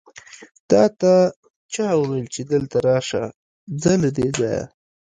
تاته چا وويل چې دلته راشه؟ ځه له دې ځايه!